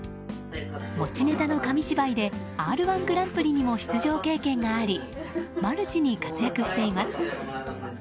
持ちネタの紙芝居で「Ｒ‐１グランプリ」にも出場経験がありマルチに活躍しています。